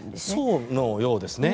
そのようですね。